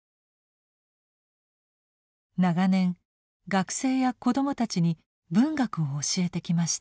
長年学生や子どもたちに文学を教えてきました。